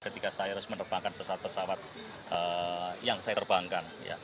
ketika saya harus menerbangkan pesawat pesawat yang saya terbangkan